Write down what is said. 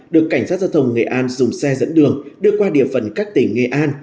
được cảnh sát giao thông nghệ an dùng xe dẫn đường đưa qua địa phần các tỉnh nghệ an